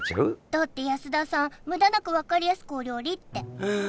だって安田さんムダなく分かりやすくお料理ってああ